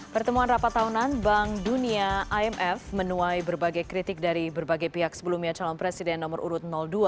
pertemuan rapat tahunan bank dunia imf menuai berbagai kritik dari berbagai pihak sebelumnya calon presiden nomor urut dua